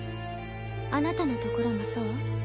あなたのところもそう？